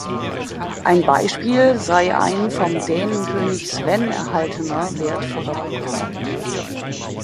Ein Beispiel sei ein vom Dänenkönig Sven erhaltener, wertvoller Pokal.